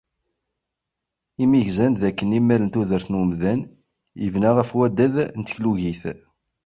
Imi gzan d akken imal n tudert n umdan yebna ɣef waddad n tkulugit.